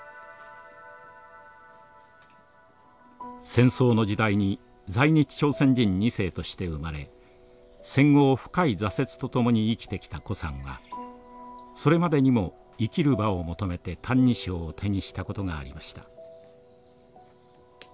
戦争の時代に在日朝鮮人２世として生まれ戦後を深い挫折と共に生きてきた高さんはそれまでにも生きる場を求めて「歎異抄」を手にしたことがありました。